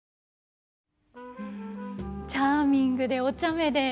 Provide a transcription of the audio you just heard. とにかくチャーミングでおちゃめで。